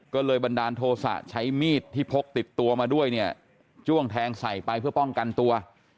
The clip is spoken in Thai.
ก็เลยบันดาลโทษะใช้มีดที่พกติดตัวมาด้วยเนี่ยจ้วงแทงใส่ไปเพื่อป้องกันตัว